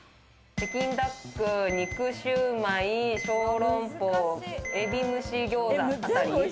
北京ダック、「肉シュウマイ」、小籠包、「海老蒸し餃子」あたり。